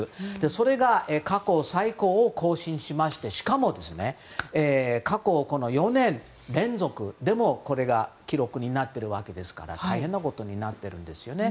それが過去最高を更新しましてしかも、過去４年連続でもこれが記録になっているわけですから大変なことになっているんですね。